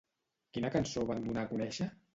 Quina cançó van donar a conèixer?